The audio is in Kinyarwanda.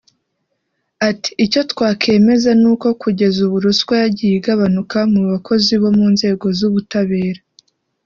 Ati “Icyo twakemeza ni uko kugeza ubu ruswa yagiye igabanuka mu bakozi bo mu nzego z’ubutabera